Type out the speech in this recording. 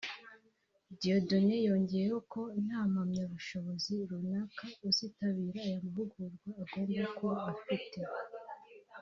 Dieudonné yongeyeho ko nta mpamyabushobozi runaka uzitabira aya mahugurwa agomba kuba afite